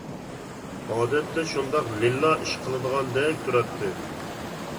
ئادەتتە شۇنداق لىللا ئىش قىلىدىغاندەك تۇراتتى.